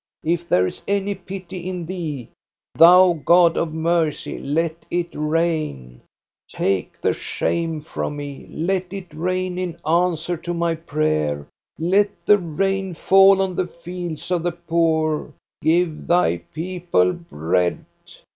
If there is any pity in Thee, Thou God of mercy, let it rain ! Take the shame from me ! Let it rain in answer to my prayer ! Let the rain fall on the fields of the poor ! Give Thy people bread